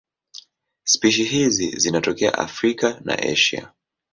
Spishi hizi zinatokea Afrika na Asia.